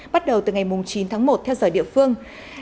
bắt đầu từ ngày chín tháng một theo giờ địa phương